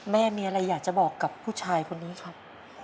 แม่มีอะไรอยากจะบอกกับผู้ชายคนนี้ครับ